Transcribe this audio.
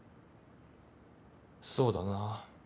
そうだな。